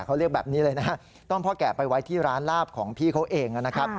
เขาเรียกแบบนี้เลยนะต้มพ่อแกะไปไว้ที่ร้านลาบของพี่เขาเองนะครับ